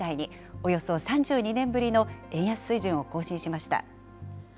およそ３２年ぶりの円安水準を更新しました。